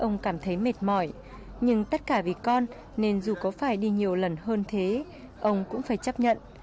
ông cảm thấy mệt mỏi nhưng tất cả vì con nên dù có phải đi nhiều lần hơn thế ông cũng phải chấp nhận